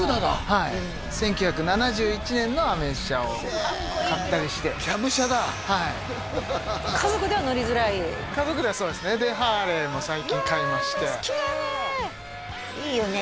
はい１９７１年のアメ車を買ったりしてキャブ車だはい家族では乗りづらい家族ではそうですねでハーレーも最近買いましていや好きだねいいよね